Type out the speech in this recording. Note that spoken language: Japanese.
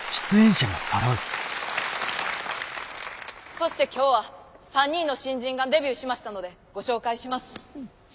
そして今日は３人の新人がデビューしましたのでご紹介します。